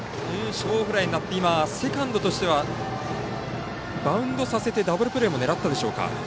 ショートフライになってセカンドとしてはバウンドさせてダブルプレーも狙ったでしょうか。